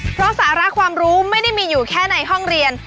เพราะสาระความรู้ไม่ได้มีอยู่แค่ในห้องเรียน